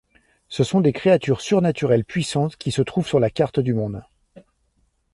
Ce sont des créatures surnaturelles puissantes, qui se trouvent sur la carte du monde.